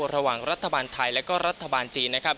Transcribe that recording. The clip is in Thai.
ระหว่างรัฐบาลไทยและก็รัฐบาลจีน